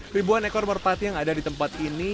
ribuan ekor merpati yang ada di tempat ini